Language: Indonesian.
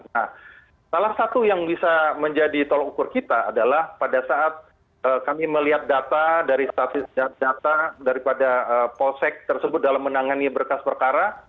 nah salah satu yang bisa menjadi tolok ukur kita adalah pada saat kami melihat data dari statis data daripada polsek tersebut dalam menangani berkas perkara